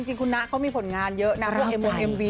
จริงคุณนะเขามีผลงานเยอะนะรับใจ